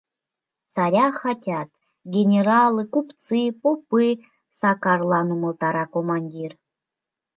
Царя хотят: генералы, купцы, попы, — Сакарлан умылтара командир.